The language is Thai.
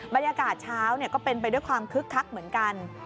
บรรยากาศเช้าก็เป็นไปด้วยความคึกคักเหมือนกัน